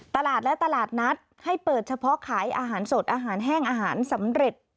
ตลาดและตลาดนัดให้เปิดเฉพาะขายอาหารสดอาหารแห้งอาหารสำเร็จ